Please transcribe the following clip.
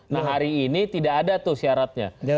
nah hari ini tidak ada tuh syaratnya